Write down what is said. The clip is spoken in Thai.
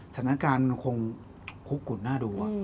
สถานการณ์คงคุกกุ่นน่าดู